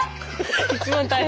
一番大変。